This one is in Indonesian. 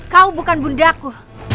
kau bukan bundaku